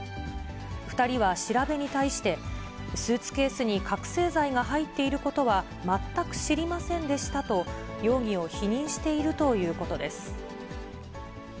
２人は調べに対して、スーツケースに覚醒剤が入っていることは全く知りませんでしたと、容疑を否認しているということです。